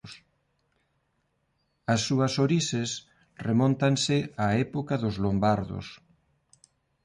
As súas orixes remóntanse á época dos lombardos.